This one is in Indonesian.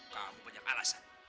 kamu punya alasan